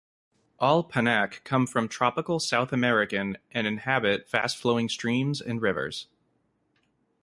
All "Panaque" come from tropical South American and inhabit fast-flowing streams and rivers.